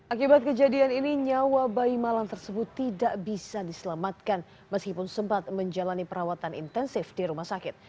akibat kejadian ini nyawa bayi malam tersebut tidak bisa diselamatkan meskipun sempat menjalani perawatan intensif di rumah sakit